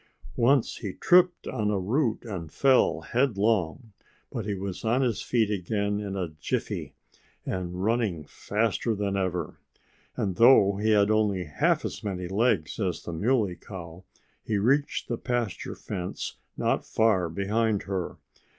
Once he tripped on a root and fell headlong. But he was on his feet again in a jiffy and running faster than ever. And though he had only half as many legs as the Muley Cow, he reached the pasture fence not far behind her.